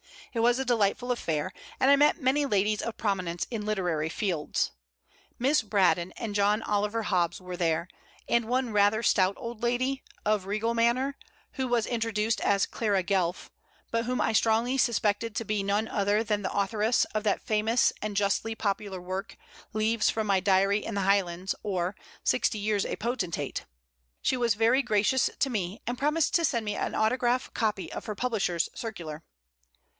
It was a delightful affair, and I met many ladies of prominence in literary fields. Miss Braddon and John Oliver Hobbes were there, and one rather stout old lady, of regal manner, who was introduced as Clara Guelph, but whom I strongly suspected to be none other than the authoress of that famous and justly popular work, Leaves from My Diary in the Highlands, or Sixty Years a Potentate. She was very gracious to me, and promised to send me an autograph copy of her publisher's circular.